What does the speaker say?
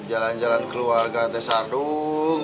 jalan jalan keluarga teh sardung